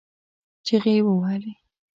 چغې يې ووهلې.